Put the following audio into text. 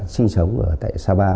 sinh sống ở tại sapa